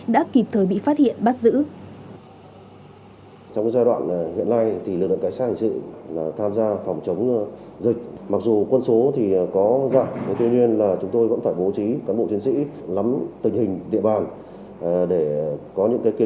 đã kịp thời bị phát hiện bắt giữ